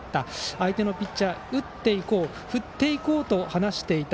相手のピッチャー打っていこう、振っていこうと話していた。